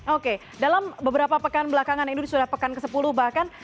oke dalam beberapa pekan belakangan ini sudah pekan ke sepuluh bahkan